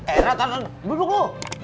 eh rod tantang beli buk lo